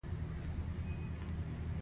د نوې نوې مینې اور به په هر چا بلېږي